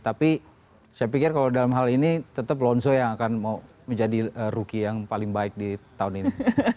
tapi saya pikir kalau dalam hal ini tetap lonzo yang akan mau menjadi rookie yang paling baik di tahun ini